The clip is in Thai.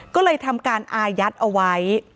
ก็เลยทำการอายัดเอาไว้